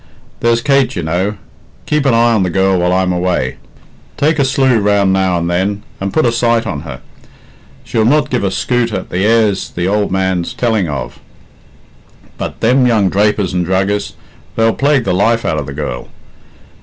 "There's Kate, you know. Keep an eye on the girl while I'm away. Take a slieu round now and then, and put a sight on her. She'll not give a skute at the heirs the ould man's telling of; but them young drapers and druggists, they'll plague the life out of the girl.